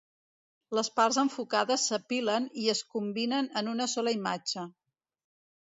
Les parts enfocades "s'apilen" i es combinen en una sola imatge.